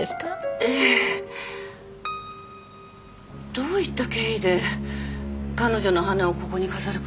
どういった経緯で彼女の花をここに飾ることに。